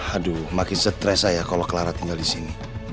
aduh makin stres saya kalau clara tinggal di sini